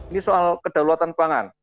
ini soal kedaulatan pangan